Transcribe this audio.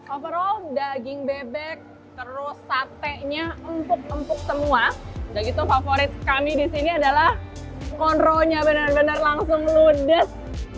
overall daging bebek terus satenya empuk empuk semua udah gitu favorit kami disini adalah konronya bener bener langsung ludes